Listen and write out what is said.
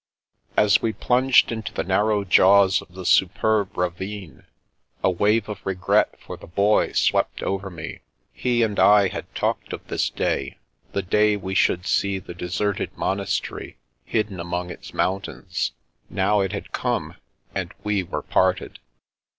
As we plunged into the narrow jaws of the superb ravine, a wave of regret for the Boy swept over me. He and I had talked of this day — ^the day we should see the deserted monastery hidden among its moun tains ; now it had come, and we were parted.